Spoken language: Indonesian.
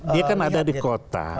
dia kan ada di kota